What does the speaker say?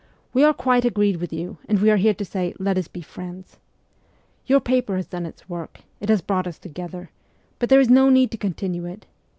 We are quite agreed with you, and we are here to say, " Let us be friends." Your paper has done its work it has brought us together ; but there is no need to continue it.